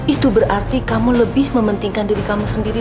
itu berarti kamu lebih mementingkan diri kamu sendiri